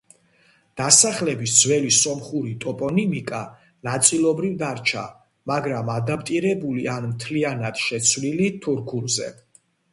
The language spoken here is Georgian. დასახლებების ძველი სომხური ტოპონიმიკა ნაწილობრივ დარჩა, მაგრამ ადაპტირებული ან მთლიანად შეცვლილი თურქულზე.